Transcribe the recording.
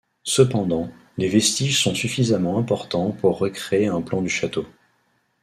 Cependant, les vestiges sont suffisamment importants pour recréer un plan du château.